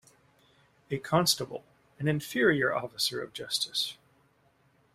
A constable an inferior officer of justice.